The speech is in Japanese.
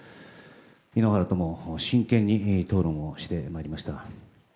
井ノ原とも真剣に討論をしてまいりました。